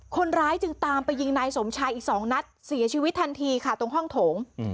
คนร้ายจึงตามไปยิงนายสมชายอีก๒นัดเสียชีวิตทันทีค่ะตรงห้องโถง